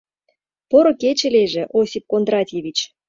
— Поро кече лийже, Осип Кондратьевич!